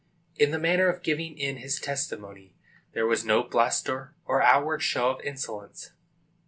In the manner of giving in his testimony there was no bluster or outward show of insolence.